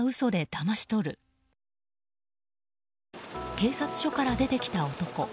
警察署から出てきた男。